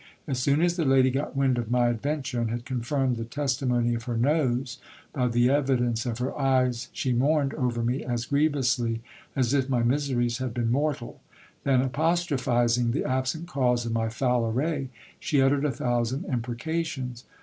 As soon as the lady got wind of my ad venture, and had confirmed the testimony of her nose by the evidence of her eyes, she mourned over me as grievously as if my miseries had been mortal ; then, ajjostrophising the absent cause of my foul array, she uttered a thousand impre cations.